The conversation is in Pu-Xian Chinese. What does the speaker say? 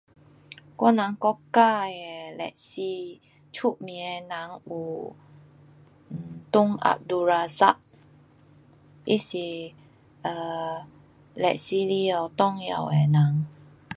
我人国家的历史，出名的人有 [um]Tun Abdul Razak. 他是历史内下重要的人。